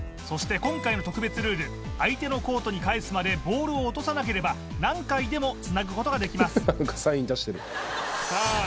そして今回の特別ルール相手のコートに返すまでボールを落とさなければ何回でもつなぐことができますさあ